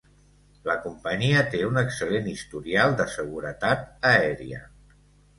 La companyia té un excel·lent historial de seguretat aèria.